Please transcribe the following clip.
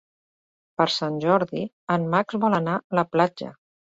Per Sant Jordi en Max vol anar a la platja.